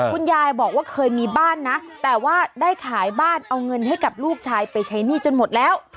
คุณยายบอกว่าเคยมีบ้านนะแต่ว่าได้ขายบ้านเอาเงินให้กับลูกชายไปใช้หนี้จนหมดแล้ว